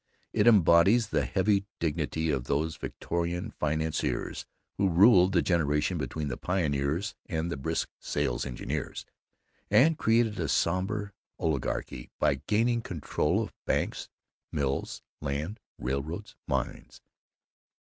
It embodies the heavy dignity of those Victorian financiers who ruled the generation between the pioneers and the brisk "sales engineers" and created a somber oligarchy by gaining control of banks, mills, land, railroads, mines.